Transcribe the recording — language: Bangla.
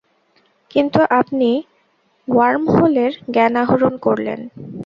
কিন্ত, আপনি ওয়ার্মহোলের জ্ঞান আহরণ করলেন।